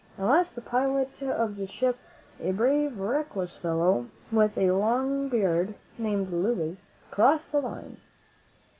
At last, the pilot of the ship, a brave, reckless fellow, with a long beard, named Luiz, crossed the line.